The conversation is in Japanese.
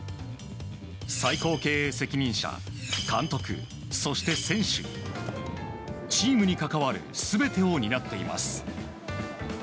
最高経営責任者、監督そして選手チームに関わる全てを担っています。